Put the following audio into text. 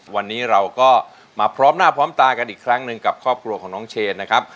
วันนี้เราก็มาพร้อมหน้าพร้อมตากันอีกครั้งหนึ่งกับครอบครัวของน้องเชนนะครับ